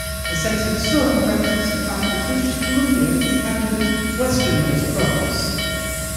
The setting sun represents the fact that British Columbia is Canada's westernmost province.